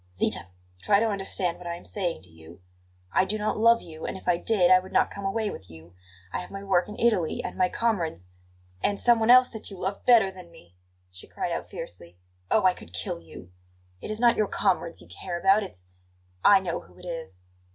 "Zita! Try to understand what I am saying to you. I do not love you; and if I did I would not come away with you. I have my work in Italy, and my comrades " "And someone else that you love better than me!" she cried out fiercely. "Oh, I could kill you! It is not your comrades you care about; it's I know who it is!"